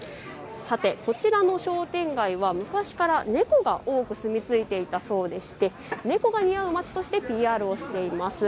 こちらの商店街は昔から猫が多く住み着いていたそうで、猫が似合う街としてＰＲしています。